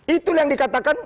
itu yang dikatakan